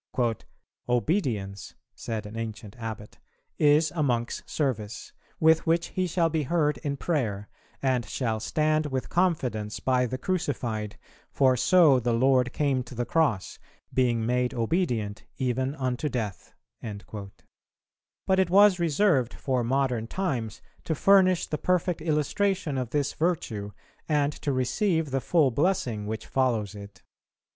"Obedience," said an ancient abbot, "is a monk's service, with which he shall be heard in prayer, and shall stand with confidence by the Crucified, for so the Lord came to the cross, being made obedient even unto death;"[399:1] but it was reserved for modern times to furnish the perfect illustration of this virtue, and to receive the full blessing which follows it.